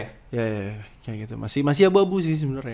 ya ya ya kayak gitu masih abu abu sih sebenernya